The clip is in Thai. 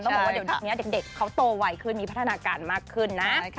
บอกว่าเดี๋ยวนี้เด็กเขาโตไวขึ้นมีพัฒนาการมากขึ้นนะ